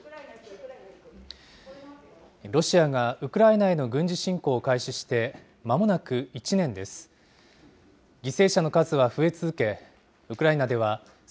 ロシアがウクライナへの軍事侵攻を開始してまもなく１年です。